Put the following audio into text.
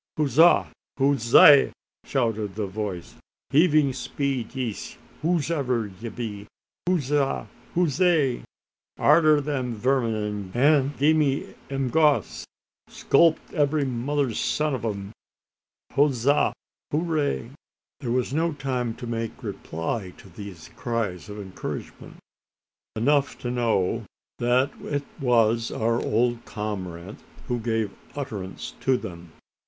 "Hooza! hoozay!" shouted the voice. "Heaving speed yees, whos'ever ye be! Hooza! hoozay! Arter the verming, an' gie 'em goss! Sculp every mother's son o' 'em. Hooza! hoozay!" There was no time to make reply to these cries of encouragement. Enough to know that it was our old comrade who gave utterance to them.